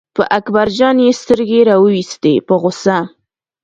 په اکبر جان یې سترګې را وویستې په غوسه.